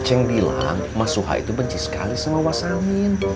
ceng bilang mas suha itu benci sekali sama wasamin